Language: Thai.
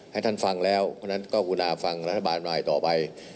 ให้ท่านฟังแล้วเนี่ยก็ขู้นะฟังรัฐบาลใหม่ต่อไป